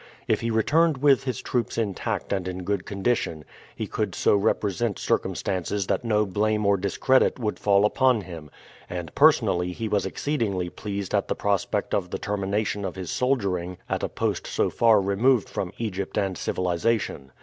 If he returned with his troops intact and in good condition he could so represent circumstances that no blame or discredit would fall upon him; and personally he was exceedingly pleased at the prospect of the termination of his soldiering at a post so far removed from Egypt and civilization.